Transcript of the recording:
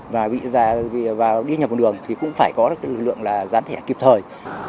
và đi nhầm vào đường thì cũng phải có lưu lượng gián thẻ kịp thời